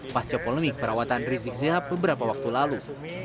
pasca polemik perawatan rizik sihab beberapa waktu lalu